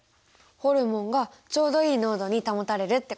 ホルモンがちょうどいい濃度に保たれるってことですねこれで。